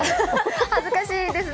恥ずかしいですね。